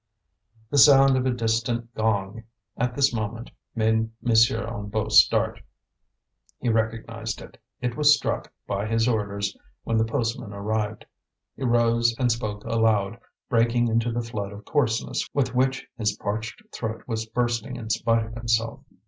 The sound of a distant gong at this moment made M. Hennebeau start. He recognized it; it was struck, by his orders, when the postman arrived. He rose and spoke aloud, breaking into the flood of coarseness with which his parched throat was bursting in spite of himself.